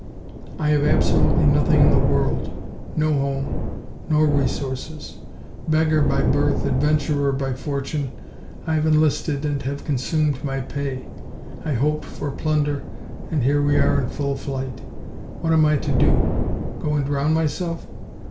I have absolutely nothing in the world, no home, no resources. Beggar by birth, adventurer by fortune, I have enlisted, and have consumed my pay; I hoped for plunder, and here we are in full flight! What am I to do? Go and drown myself?